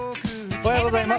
おはようございます。